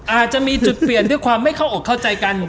อาจจะมีจุดเปลี่ยนด้วยความไม่เข้าอกเข้าใจกัน